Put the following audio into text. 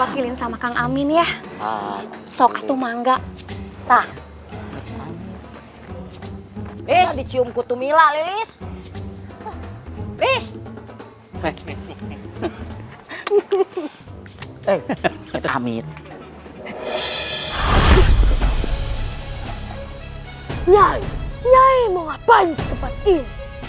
aku tidak ada waktu untuk meladenimu bocah kecil